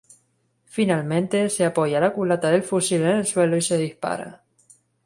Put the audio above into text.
Finalmente, se apoya la culata del fusil en el suelo y se dispara.